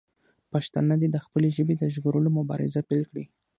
پښتانه دې د خپلې ژبې د ژغورلو مبارزه پیل کړي.